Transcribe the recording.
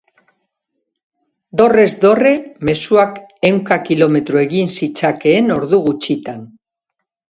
Dorrez dorre, mezuak ehunka kilometro egin zitzakeen ordu gutxitan.